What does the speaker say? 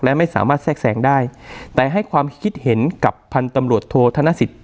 และไม่สามารถแทรกแสงได้แต่ให้ความคิดเห็นกับพันธุ์ตำรวจโทษธนสิทธิ